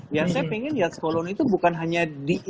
ya saya pingin yates colony tuh bukan hanya diingat sebagai fasilitas